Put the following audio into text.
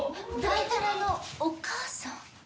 だいだらのお母さん？